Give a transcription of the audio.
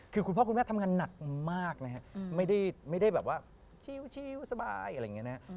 คือคุณพ่อคุณแม่ทำงานหนักมากนะฮะไม่ได้แบบว่าชิวสบายอะไรอย่างนี้นะ